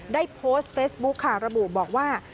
ได้โพสต์เฟซบุ๊คค่ะระบุบอกว่า